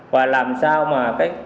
và làm sao mà